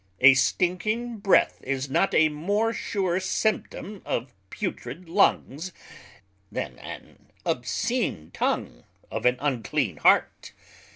A stinking breath is not a more sure symptom of putrid Lungs, then an obscene Tongue of an unclean Heart.